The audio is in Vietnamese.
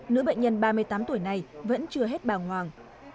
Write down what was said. nữ bệnh nhân ba mươi tám tuổi này vẫn chưa hết bào ngoàng